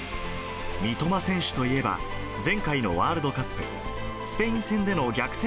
三笘選手といえば、前回のワールドカップ、スペイン戦での逆転